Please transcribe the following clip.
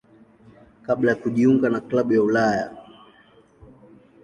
kabla ya kujiunga na klabu ya Ulaya.